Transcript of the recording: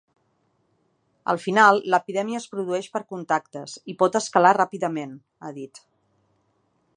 Al final, l’epidèmia es produeix per contactes i pot escalar ràpidament, ha dit.